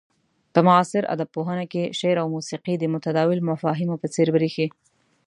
په معاصر ادب پوهنه کې شعر او موسيقي د متداول مفاهيمو په څير بريښي.